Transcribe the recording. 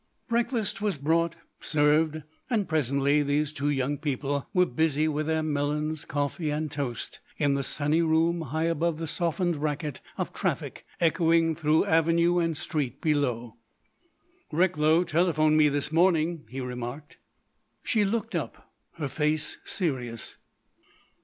Breakfast was brought, served; and presently these two young people were busy with their melons, coffee, and toast in the sunny room high above the softened racket of traffic echoing through avenue and street below. "Recklow telephoned me this morning," he remarked. She looked up, her face serious.